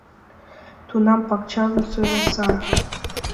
Тунам пакчам сӧраса.